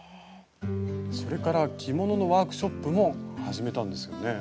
それから着物のワークショップも始めたんですよね。